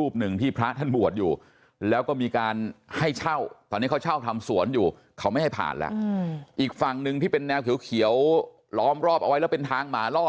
เขาไม่ให้ผ่านแล้วอืมอีกฝั่งนึงที่เป็นแนวเขียวล้อมรอบเอาไว้แล้วเป็นทางหมาลอด